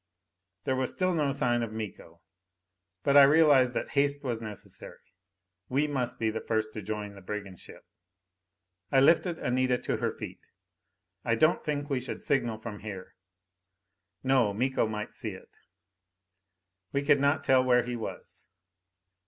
There was still no sign of Miko. But I realized that haste was necessary. We must be the first to join the brigand ship. I lifted Anita to her feet. "I don't think we should signal from here." "No. Miko might see it." We could not tell where he was.